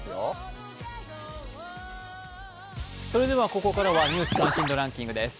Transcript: ここからはニュース関心度ランキングです。